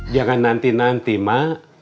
jangan nanti nanti ma